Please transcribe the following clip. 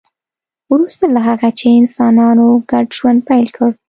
وروسته له هغه چې انسانانو ګډ ژوند پیل کړ